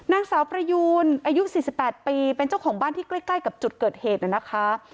นางสาวประยูนอายุสิบสิบแปดปีเป็นเจ้าของบ้านที่ใกล้ใกล้กับจุดเกิดเหตุเนี้ยนะคะ